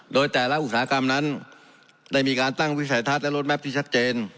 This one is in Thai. โดยแต่ละอุตสาหกรรมนั้นได้มีการตั้งวิสัยทัศน์และรถแมพที่ชัดเจน